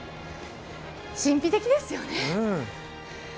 神秘的ですよね。